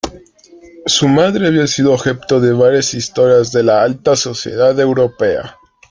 Su madre había sido objeto de varias historias de la alta sociedad europea.